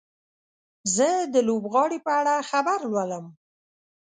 زه د لوبغاړي په اړه خبر لولم.